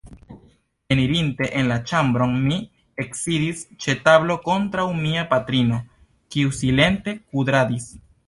Enirinte en la ĉambron, mi eksidis ĉe tablo kontraŭ mia patrino, kiu silente kudradis.